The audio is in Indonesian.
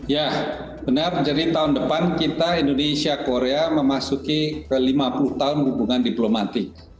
ya benar jadi tahun depan kita indonesia korea memasuki ke lima puluh tahun hubungan diplomatik